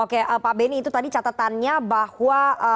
oke pak benny itu tadi catatannya bahwa